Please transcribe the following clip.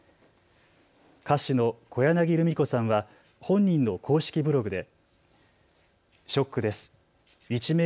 歌手の小柳ルミ子さんは本人の公式ブログで。